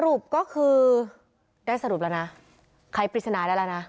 สรุปก็คือได้สรุปแล้วนะใครปริศนาได้แล้วนะ